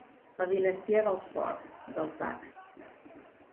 La dinastia dels Ford, dels Bach.